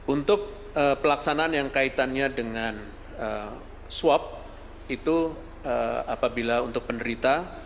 untuk pelaksanaan yang kaitannya dengan swab itu apabila untuk penderita